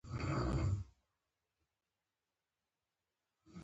خوړل د ماشوم ذهن پراخوي